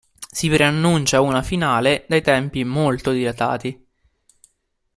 Si preannuncia una finale dai tempi molto dilatati.